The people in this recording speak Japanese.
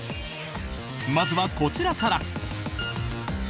まずは、こちらから。